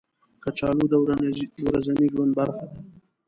کچالو د ورځني ژوند برخه ده